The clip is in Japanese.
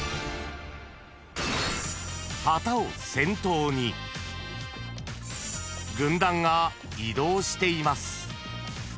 ［旗を先頭に軍団が移動しています］